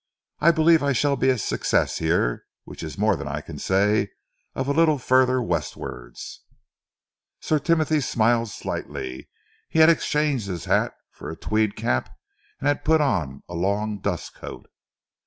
I believe I shall be a success here which is more than I can say of a little further westwards." Sir Timothy smiled slightly. He had exchanged his hat for a tweed cap, and had put on a long dustcoat.